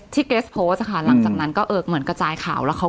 เกรสโพสต์ค่ะหลังจากนั้นก็เออเหมือนกระจายข่าวแล้วเขา